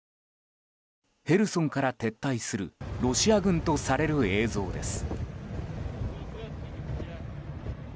ヘルソンから撤退するロシア軍とされる映像です。